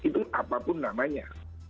itu apapun namanya